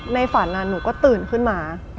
ในฝันหนูก็ตื่นขึ้นมา